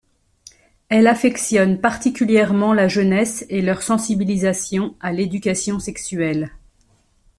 Elle affectionne particulièrement la jeunesse et leur sensibilisation à l'éducation sexuelle.